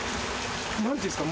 何ていうんですか？